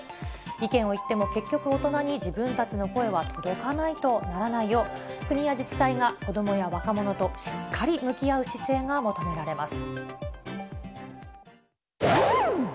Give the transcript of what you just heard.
意見を言っても、結局大人に自分たちの声は届かないとならないよう、国や自治体が子どもや若者としっかり向き合う姿勢が求められます。